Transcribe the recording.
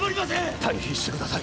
・退避してください